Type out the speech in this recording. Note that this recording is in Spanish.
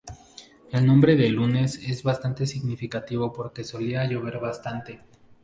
El nombre del Lunes es bastante significativo porque solía llover bastante.